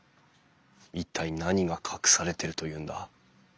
一体何が隠されてるというんだ？